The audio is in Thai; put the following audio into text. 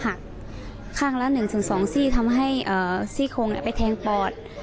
หักข้างละหนึ่งถึงสองซี่ทำให้เอ่อซี่โคงเนี้ยไปแทงปอด